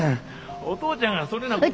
お父ちゃんがそねなこと。